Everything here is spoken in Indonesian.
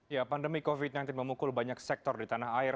ya pandemi covid sembilan belas memukul banyak sektor di tanah air